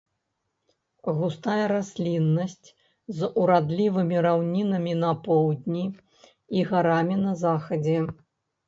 Густая расліннасць з урадлівымі раўнінамі на поўдні і гарамі на захадзе.